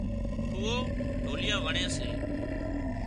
ڦوئو ڍوليا وڻي سي